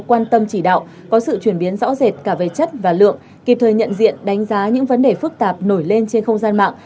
quan tâm chỉ đạo có sự chuyển biến rõ rệt cả về chất và lượng kịp thời nhận diện đánh giá những vấn đề phức tạp nổi lên trên không gian mạng